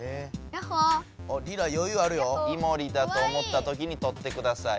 イモリだと思ったときにとってください。